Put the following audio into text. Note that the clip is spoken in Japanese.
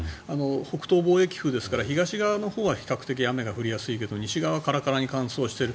北東貿易風ですから被害側のほうは比較的雨が降りやすいけど西側はカラカラに乾燥している。